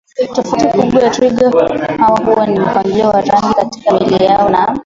Tofauti kubwa ya twiga hawa huwa ni mpangilio wa rangi katika miili yao na